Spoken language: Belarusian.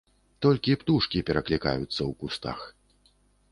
Толькі птушкі пераклікаюцца ў кустах.